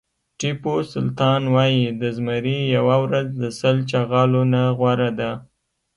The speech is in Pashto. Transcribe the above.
ټيپو سلطان وایي د زمري یوه ورځ د سل چغالو نه غوره ده.